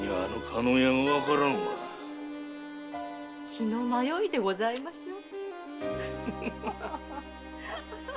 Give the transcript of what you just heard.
気の迷いでございましょう？